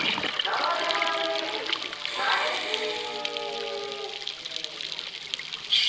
ナマケモノになりきり！